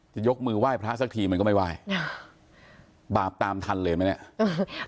จะยกมือไหว้พระสักทีมันก็ไม่ไหว้อ่าบาปตามทันเลยไหมเนี้ยเออ